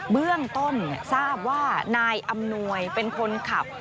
เบื้องต้นทราบว่านายอำนวยเป็นคนขับ